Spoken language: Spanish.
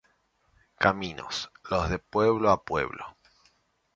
Caminos, los de pueblo a pueblo.